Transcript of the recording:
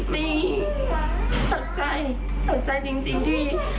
ไม่สนใจสนใจจริงที่